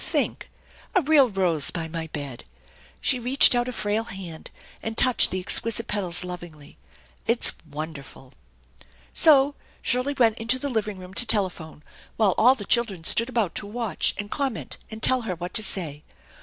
Think. A 1 real rose by my bed !" She reached out a frail hand, and touched the exquisite petals lovingly. " It is wonderful !" So Shirley went into the living room to telephone, while all the children stood about to watch and comment and tell her what to say.